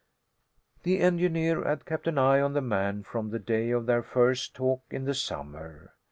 The engineer had kept an eye on the man from the day of their first talk in the summer.